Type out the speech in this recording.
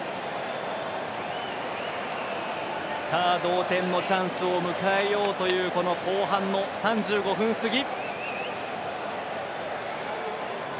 同点のチャンスを迎えようという後半の３５分過ぎ。